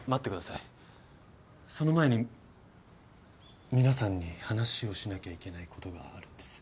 その前に皆さんに話をしなきゃいけないことがあるんです。